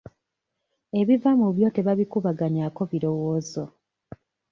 Ebiva mu byo tebabikubaganyaako birowoozo.